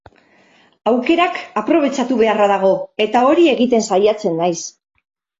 Aukerak aprobetxatu beharra dago, eta hori egiten saiatzen naiz.